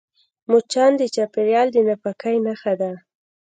مچان د چاپېریال د ناپاکۍ نښه ده